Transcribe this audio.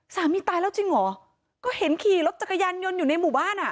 ตายแล้วจริงเหรอก็เห็นขี่รถจักรยานยนต์อยู่ในหมู่บ้านอ่ะ